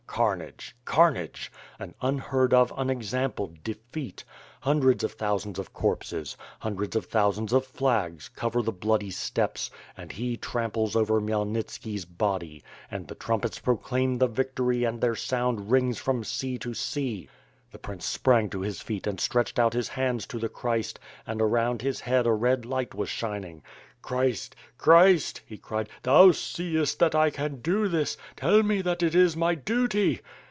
Carnage! carnage! An unheard of, unexampled defeat. Hundreds of thousands of corpses, hundreds of thousands of flags cover the bloody steppes, and he tramples over Khmyelnitski's body, and the trumpets proclaim the victory and their sound rings from sea to sea. ... The prince sprang to his feet and stretched out his hands to the Christ, and around his head a red light was shining. "Christ! Christ!" he cried, "Thou seest that I can do this, tell me that it is my duty."